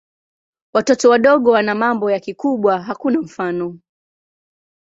Watoto wadogo wana mambo ya kikubwa hakuna mfano.